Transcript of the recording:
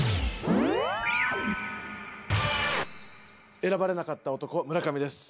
選ばれなかった男村上です。